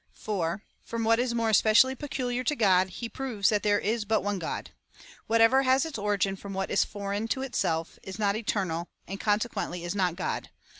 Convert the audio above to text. For, from what is more especially peculiar to God, he proves that there is but one God :" Whatever has its origin from what is foreign to itself, is not eternal, and, consequently, is not God.